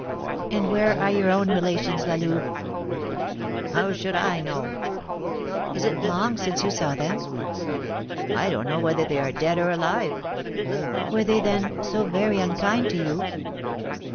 "And where are your own relations, La Louve?" "How should I know?" "Is it long since you saw them?" "I don't know whether they are dead or alive." "Were they, then, so very unkind to you?"